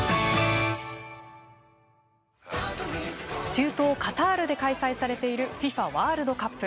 中東・カタールで開催されているＦＩＦＡワールドカップ。